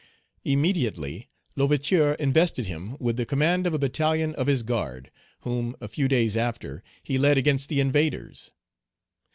Immediately L'Ouverture invested him with the command of a battalion of his guard, whom, a few days after, he led against the invaders.